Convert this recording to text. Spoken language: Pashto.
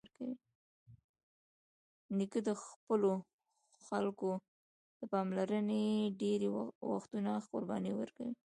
نیکه د خپلو خلکو د پاملرنې لپاره ډېری وختونه قرباني ورکوي.